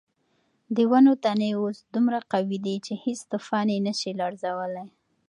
د ونو تنې اوس دومره قوي دي چې هیڅ طوفان یې نه شي لړزولی.